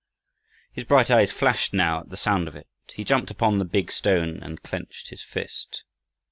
His bright eyes flashed, now, at the sound of it. He jumped upon the big stone, and clenched his fist.